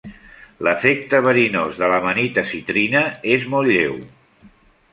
L'efecte verinós de l'Amanita citrina és molt lleu.